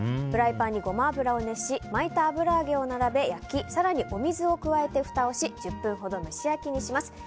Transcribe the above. フライパンにゴマ油を熱し巻いた油揚げを並べ焼き更にお水を加えてふたをし１０分ほど蒸し焼きにします。